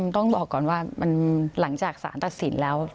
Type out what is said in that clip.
ต้องบอกก่อนว่ามันหลังจากสารตัดสินแล้ว